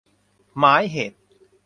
หมายเหตุ